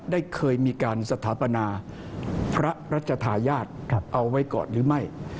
ได้เคยมีการสถาปนาพระราชทายาทเอาไว้ก่อนหรือไม่